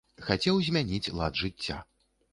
Хацеў змяніць лад жыцця.